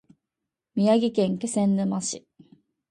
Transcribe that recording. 宮城県気仙沼市